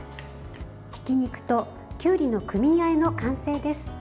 ひき肉ときゅうりのクミンあえの完成です。